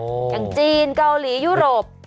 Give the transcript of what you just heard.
อย่างจีนเกาหลียุโรป